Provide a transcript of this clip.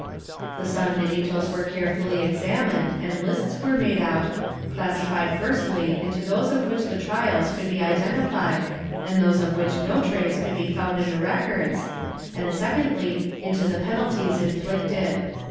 The sanbenitos were carefully exam ined and lists were made out, classified firstly into those of which the trials could be identified and those of which no trace could be found in the records, and secondly into the penalties inflicted.